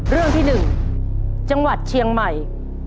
เรื่องที่๑จังหวัดเชียงใหม่